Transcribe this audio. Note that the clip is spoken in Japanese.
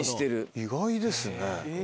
意外ですね。